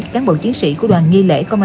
cán bộ chiến sĩ